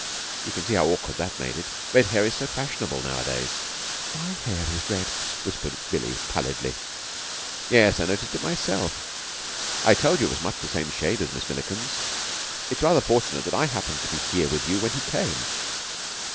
You can see how awkward that made it. Red hair is so fashionable nowadays." "My hair is red!" whispered Billie pallidly. "Yes, I noticed it myself. I told you it was much the same shade as Miss Milliken's. It's rather fortunate that I happened to be here with you when he came."